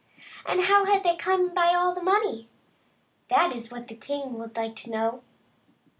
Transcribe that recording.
And how had they come by all that money? that was what the king would like to know.